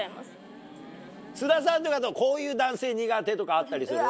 須田さんとかこういう男性苦手とかあったりする？